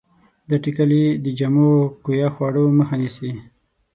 دا ټېکلې د جامو کویه خوړو مخه نیسي.